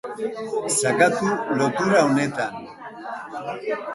Sakatu lotura honetan.